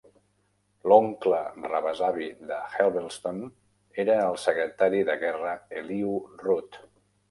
L'oncle rebesavi de Helvenston era el Secreati de Guerra Elihu Root.